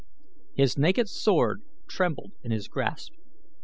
His naked sword trembled in his grasp.